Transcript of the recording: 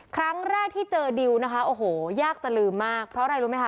ครั้งแรกที่เจอดิวนะคะโอ้โหยากจะลืมมากเพราะอะไรรู้ไหมคะ